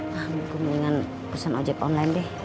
paham hubungan pusan ojp online deh